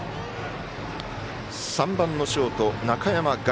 ３番のショート、中山凱。